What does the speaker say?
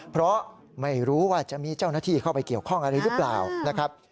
เพราะไม่รู้ว่าจะมีเจ้าหน้าที่เข้าไปเกี่ยวข้องอะไรหรือเปล่านะครับ